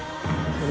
これ。